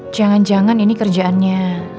jangan jangan ini kerjaannya